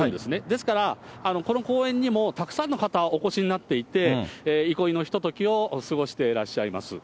ですから、この公園にもたくさんの方、お越しになっていて憩いのひとときを過ごしていらっしゃいます。